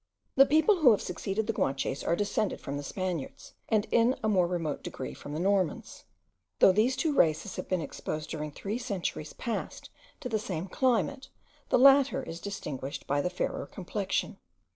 The people who have succeeded the Guanches are descended from the Spaniards, and in a more remote degree from the Normans. Though these two races have been exposed during three centuries past to the same climate, the latter is distinguished by the fairer complexion.